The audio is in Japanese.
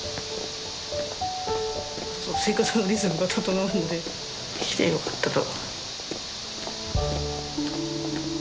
生活のリズムが整うので来てよかったと。